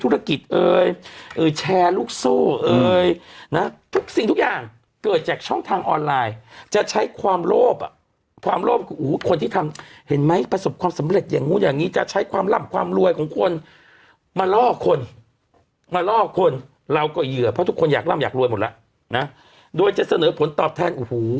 เราก็เหยื่อเพราะทุกคนอยากร่ำอยากรวยหมดแล้วนะโดยจะเสนอผลตอบแทนโอ้โห